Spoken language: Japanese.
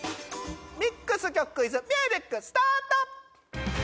ミックス曲クイズミュージックスタート！